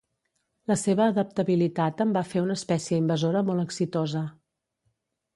La seva adaptabilitat en va fer una espècie invasora molt exitosa.